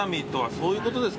そういうことです。